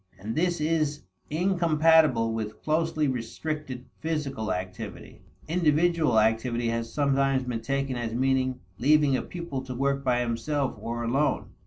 And this is incompatible with closely restricted physical activity. Individual activity has sometimes been taken as meaning leaving a pupil to work by himself or alone.